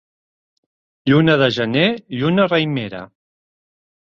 Lluna de gener, lluna raïmera.